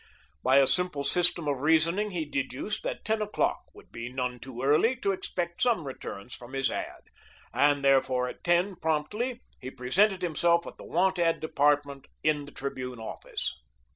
By a simple system of reasoning he deduced that ten o'clock would be none too early to expect some returns from his ad, and therefore at ten promptly he presented himself at the Want Ad Department in the Tribune office.